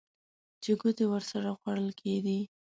چې ګوتې ورسره خوړل کېدې.